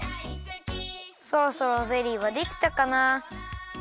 そろそろゼリーはできたかな。